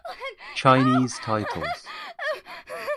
Chinese Titles